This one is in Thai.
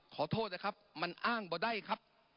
ปรับไปเท่าไหร่ทราบไหมครับ